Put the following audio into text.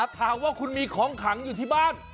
เฮ่ยใครครับจูด้งถามว่าคุณมีของขลังอยู่ที่บ้าน